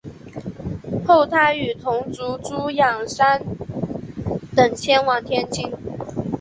后他与同族朱仰山等迁往天津。